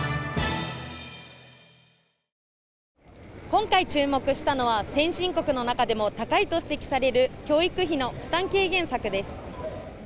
今回注目したのは先進国の中でも高いと指摘される教育費の負担軽減策です。